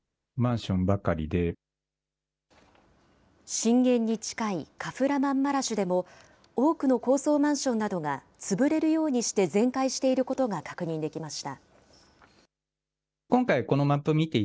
震源に近いカフラマンマラシュでも、多くの高層マンションなどが、潰れるようにして全壊していることが確認できました。